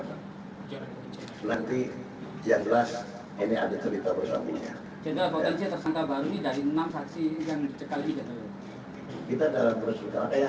nanti yang belas ini ada cerita bersamanya